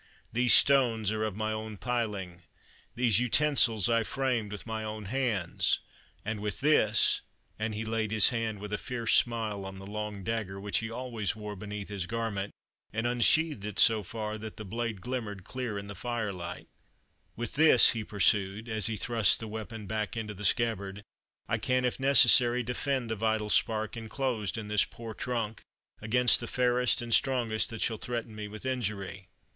These stones are of my own piling; these utensils I framed with my own hands; and with this" and he laid his hand with a fierce smile on the long dagger which he always wore beneath his garment, and unsheathed it so far that the blade glimmered clear in the fire light "with this," he pursued, as he thrust the weapon back into the scabbard, "I can, if necessary, defend the vital spark enclosed in this poor trunk, against the fairest and strongest that shall threaten me with injury."